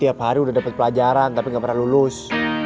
tiap hari udah dapat pelajaran tapi gak pernah lulus